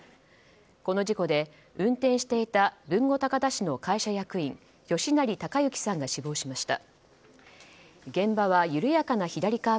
この事故で運転していた豊後高田市の会社員吉成孝之さんが死亡しました。